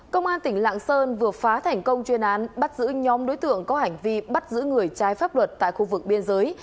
công an tỉnh lạng sơn vừa phá thành công chuyên án bắt giữ nhóm đối tượng có hành vi bắt giữ người trái pháp luật tại khu vực biên giới